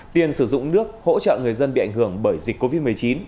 tiền sử dụng nước hỗ trợ người dân bị ảnh hưởng bởi dịch covid một mươi chín